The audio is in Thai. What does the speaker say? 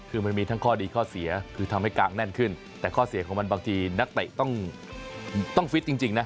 คือมันมีทั้งข้อดีข้อเสียคือทำให้กางแน่นขึ้นแต่ข้อเสียของมันบางทีนักเตะต้องฟิตจริงนะ